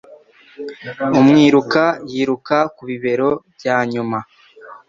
Umwiruka yiruka ku bibero byanyuma.